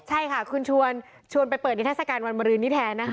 ใช่ค่ะคุณชวนไปเปิดนิทัศกาลวันมรืนนี้แทนนะคะ